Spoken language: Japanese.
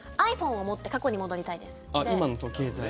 ｉＰｈｏｎｅを持って過去に戻りたいです。